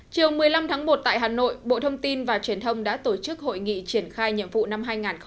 chiều một mươi năm tháng một tại hà nội bộ thông tin và truyền thông đã tổ chức hội nghị triển khai nhiệm vụ năm hai nghìn hai mươi